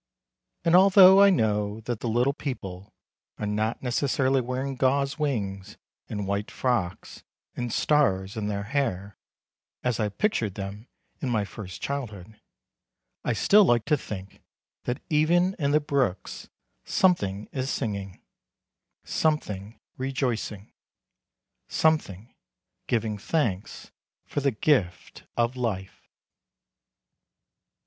And although I know that the Little People are not necessarily wearing gauze wings and white frocks and stars in their hair, as I pictured them in my first childhood, I still like to think that even in the brooks something is singing, something rejoicing, something giving thanks for the gift of life.